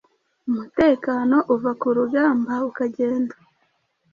Umutekano uva kurugamba ukagenda